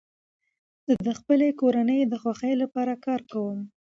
زه د خپلي کورنۍ د خوښۍ له پاره کار کوم.